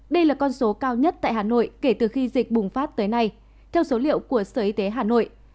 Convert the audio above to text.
đây là con số cao nhất tại hà nội kể từ khi dịch bùng phát tới nay theo số liệu của sở y tế hà nội